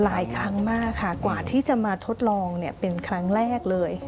หลายครั้งมากค่ะกว่าที่จะมาทดลองเป็นครั้งแรกเลย